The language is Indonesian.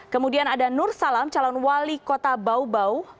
kemudian ada nur salam calon wali kota bau bau